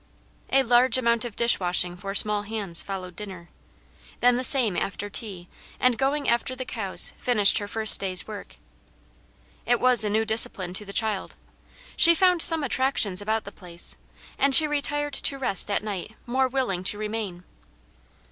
A large amount of dish washing for small hands followed dinner. Then the same after tea and going after the cows finished her first day's work. It was a new discipline to the child. She found some attractions about the place, and she retired to rest at night more willing to remain.